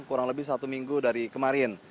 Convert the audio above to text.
kurang lebih satu minggu dari kemarin